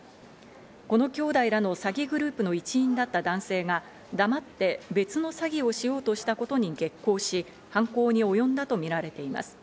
この兄弟らの詐欺グループの一員だった男性が黙って別の詐欺をしようとしたことに激高し、犯行におよんだとみられています。